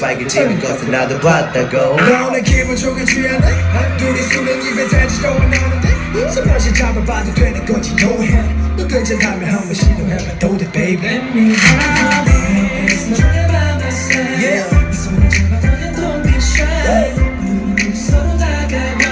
เยี่ยมมาก